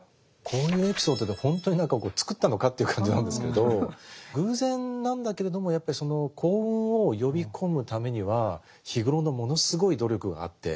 こういうエピソードって本当に何かこう作ったのかっていう感じなんですけど偶然なんだけれどもやっぱりその幸運を呼び込むためには日頃のものすごい努力があって。